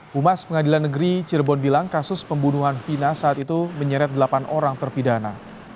humas pengadilan negeri cirebon bilang kasus pembunuhan vina saat itu menyeret delapan orang terpidana